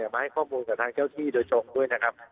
มาให้ข้อมูลกับทางเจ้าที่โดยตรงด้วยนะครับ